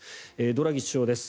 ドラギ首相です。